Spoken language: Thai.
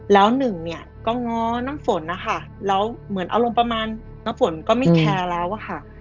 แล้วหนึ่งเนี่ยก็ง้อน้ำฝนนะคะแล้วเหมือนอารมณ์ประมาณน้ำฝนก็ไม่แคร์แล้วอะค่ะ